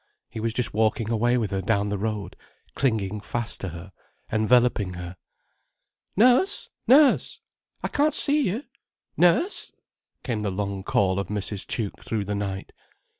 He was just walking away with her down the road, clinging fast to her, enveloping her. "Nurse! Nurse! I can't see you! Nurse!—" came the long call of Mrs. Tuke through the night.